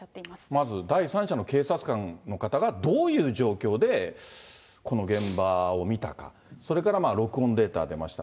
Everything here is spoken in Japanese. まず、第三者の警察官の方が、どういう状況で、この現場を見たか、それから録音データ出ました。